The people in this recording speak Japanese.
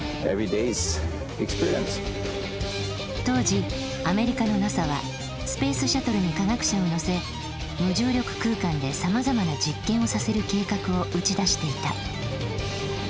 当時アメリカのＮＡＳＡはスペースシャトルに科学者を乗せ無重力空間でさまざまな実験をさせる計画を打ち出していた。